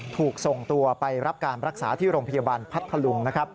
ถูกส่งตัวไปรับการรักษาที่โรงพยาบาลพัทธลุงนะครับ